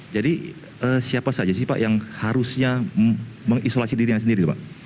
jadi siapa saja sih pak yang harusnya mengisolasi diri sendiri pak